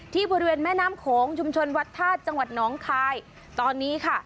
บริเวณแม่น้ำโขงชุมชนวัดธาตุจังหวัดน้องคายตอนนี้ค่ะ